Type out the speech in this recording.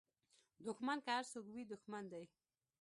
دوښمن که هر څوک وي دوښمن دی